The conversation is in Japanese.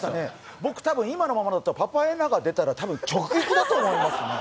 僕、多分今のままだったらパパエナガが出たら直撃ですよ。